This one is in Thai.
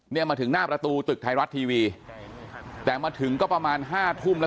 เนี่ยมาถึงหน้าประตูตึกไทยรัฐทีวีแต่มาถึงก็ประมาณห้าทุ่มแล้ว